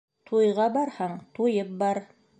Туйға барһаң, туйып бар